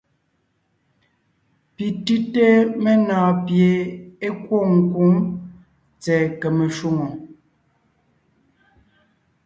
Pi tʉ́te menɔɔn pie é kwôŋ kwǒŋ tsɛ̀ɛ kème shwòŋo.